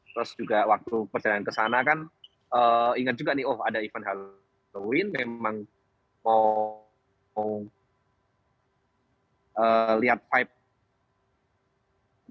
terus juga waktu perjalanan ke sana kan inget juga nih oh ada event halloween memang mau lihat vibe